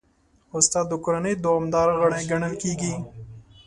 استاد د کورنۍ دوامدار غړی ګڼل کېږي.